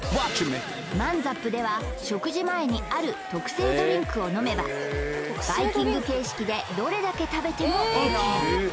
マンザップでは食事前にある特製ドリンクを飲めばバイキング形式でどれだけ食べてもＯＫ